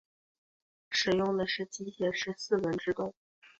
使用的是机械式四轮制动。